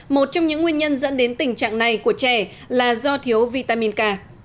một trong những nguyên nhân dẫn đến tình trạng này của trẻ là do thiếu vitamin k